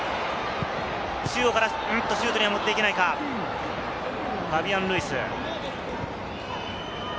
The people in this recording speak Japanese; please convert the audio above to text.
中央からシュートには持っていけないか、ファビアン・ルイス。